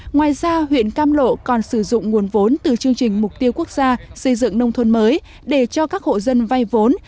ngoài ra huyện cam lộ còn sử dụng nguồn vốn từ chương trình mục tiêu quốc gia xây dựng nông thôn mới để cho các hộ dân vay vốn